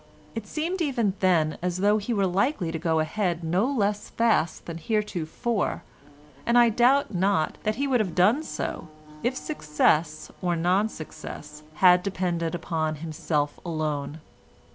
It seemed even then as though he were likely to go ahead no less fast than heretofore, and I doubt not that he would have done so, if success or non success had depended upon himself alone.